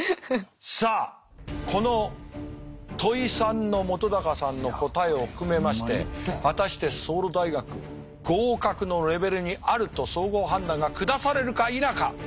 さあこの問３の本さんの答えを含めまして果たしてソウル大学合格のレベルにあると総合判断が下されるか否か。